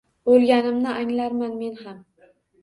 O’lganimni anglarman men ham.